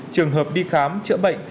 trường hợp đi khám chữa bệnh